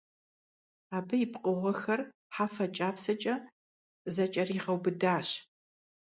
Абы и пкъыгъуэхэр хьэфэ кIапсэкIэ зэкIэрегъэубыдащ.